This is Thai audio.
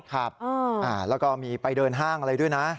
ครับแล้วก็มีไปเดินห้างอะไรด้วยนะ